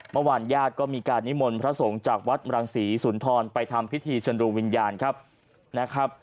เมื่อวานญาติก็มีการนิมนต์พระสงฆ์จากวัดรังศรีสุนทรไปทำพิธีเชิญดูวิญญาณครับนะครับ